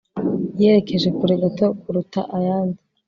Yerekeje kure gato kuruta ayandi